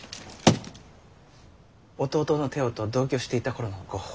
弟のテオと同居していた頃のゴッホ。